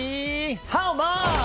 ハウマッチ。